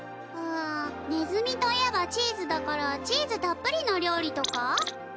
うんネズミといえばチーズだからチーズたっぷりのりょうりとか？